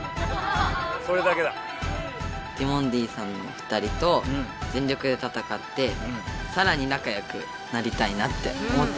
ティモンディさんの２人と全力で戦ってさらになかよくなりたいなって思ってます。